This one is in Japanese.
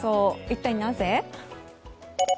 一体なぜ？